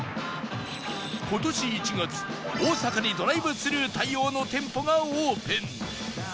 今年１月大阪にドライブスルー対応の店舗がオープン